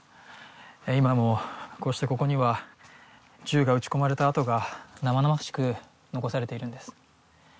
今もこうしてここには銃が撃ち込まれた痕が生々しく残されているんです